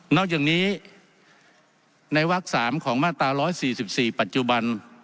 นอกจากนี้ในวักสามของมาตราร้อยสี่สิบสี่ปัจจุบัน